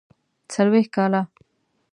څلوېښت کاله.